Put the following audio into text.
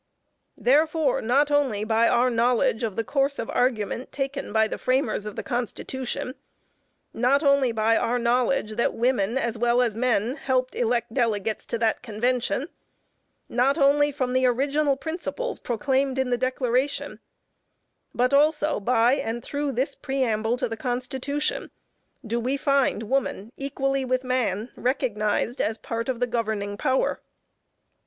Therefore not only by our knowledge of the course of argument taken by the framers of the Constitution, not only by our knowledge that women as well as men helped elect delegates to that convention, not only from the original principles proclaimed in the Declaration, but also by and through this Preamble to the Constitution do we find woman equally with man, recognized as part of the governing power.